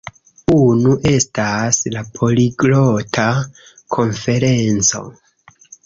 Unu estas la Poliglota Konferenco